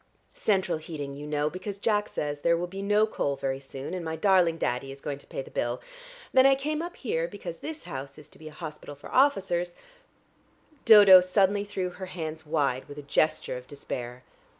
Central heating, you know, because Jack says there will be no coal very soon, and my darling Daddy is going to pay the bill. Then I came up here, because this house is to be a hospital for officers " Dodo suddenly threw her hands wide with a gesture of despair.